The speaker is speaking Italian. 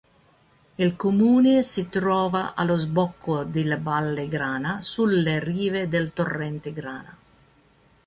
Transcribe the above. Il comune si trova allo sbocco della Valle Grana sulle rive del Torrente Grana.